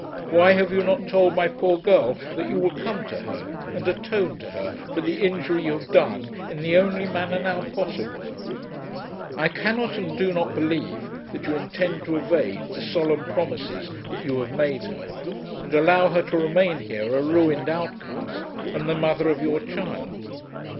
Why have you not told my poor girl that you will come to her, and atone to her for the injury you have done in the only manner now possible? I cannot and do not believe that you intend to evade the solemn promises that you have made her, and allow her to remain here a ruined outcast, and the mother of your child.